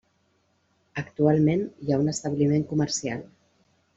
Actualment hi ha un establiment comercial.